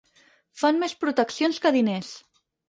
Fan més proteccions que diners.